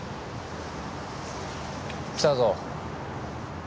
来たぞ。